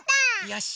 よし！